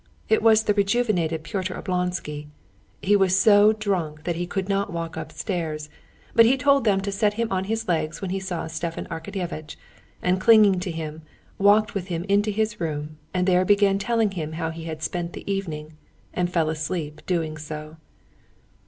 It was the rejuvenated Pyotr Oblonsky. He was so drunk that he could not walk upstairs; but he told them to set him on his legs when he saw Stepan Arkadyevitch, and clinging to him, walked with him into his room and there began telling him how he had spent the evening, and fell asleep doing so.